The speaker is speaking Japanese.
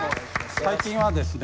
最近はですね